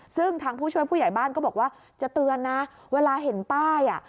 ซึ่งทางผู้ช่วยผู้ใหญ่บ้านก็บอกว่าจะเตือนนะเวลาเห็นป้ายอ่ะ